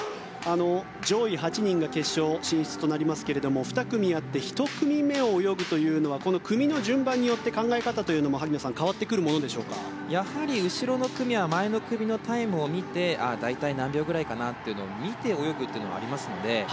上位８人が決勝進出となりますが２組あって１組目を泳ぐというのはこの組の順番によって考え方というのはやはり後ろの組は前の組のタイムを見て大体何秒ぐらいかなというのを見て泳ぐというのがありますので。